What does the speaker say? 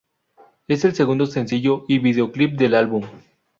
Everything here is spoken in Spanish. Es el segundo sencillo y videoclip del álbum.